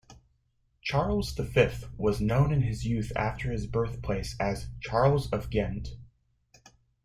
Charles V was known in his youth after his birthplace as "Charles of Ghent".